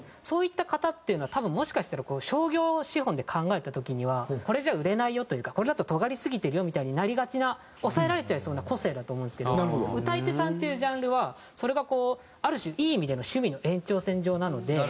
そういった方っていうのは多分もしかしたら商業資本で考えた時にはこれじゃ売れないよというかこれだととがりすぎてるよみたいになりがちな抑えられちゃいそうな個性だと思うんですけど歌い手さんっていうジャンルはそれがこうある種。